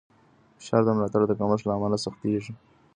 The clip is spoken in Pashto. فشار د ملاتړ د کمښت له امله سختېږي.